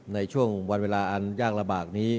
ในช่วงวันเวลาอันยากลำบากนี้